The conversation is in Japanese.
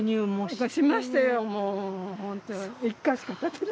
しましたよ、もう。